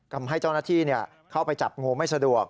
ทำให้เจ้าหน้าที่เข้าไปจับงูไม่สะดวก